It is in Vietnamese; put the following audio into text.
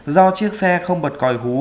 do chiếc xe không bật còi hú